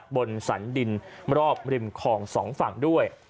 บนสันดินรอบริมคลองสองฝั่งด้วย